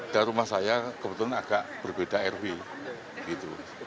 dan rumah saya kebetulan agak berbeda rw gitu